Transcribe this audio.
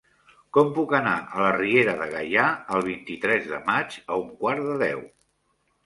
Com puc anar a la Riera de Gaià el vint-i-tres de maig a un quart de deu?